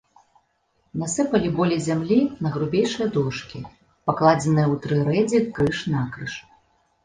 Насыпалі болей зямлі на грубейшыя дошкі, пакладзеныя ў тры рэдзі крыж-накрыж.